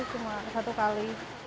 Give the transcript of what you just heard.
cuma satu kali